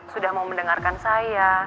sudah mau mendengarkan saya